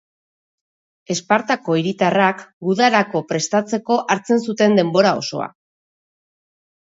Espartako hiritarrak gudarako prestatzeko hartzen zuten denbora osoa.